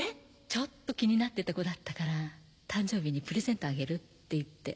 ちょっと気になってた子だったから誕生日にプレゼントあげるって言って。